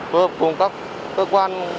phù hợp cùng các cơ quan